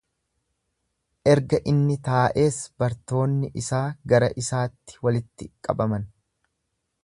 erga inni taa'ees bartoonni isaa gara isaatti walitti qabaman.